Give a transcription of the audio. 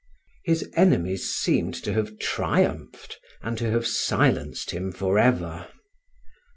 His enemies seemed to have triumphed and to have silenced him forever.